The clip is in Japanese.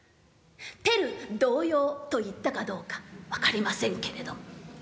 テル動揺」と言ったかどうか分かりませんけれども。